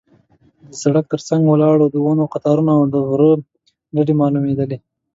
د سړک تر څنګ ولاړ د ونو قطارونه او د غره ډډې معلومېدلې.